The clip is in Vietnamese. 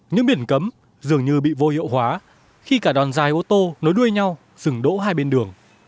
những biển cấm dường như bị vô hiệu hóa khi cả đòn dài ô tô nối đuôi nhau dừng đỗ hai bên đường